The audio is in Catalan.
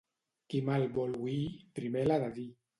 Qui mal vol oir, primer l'ha de dir.